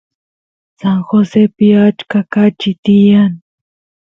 San Josepi achka kachi tiyan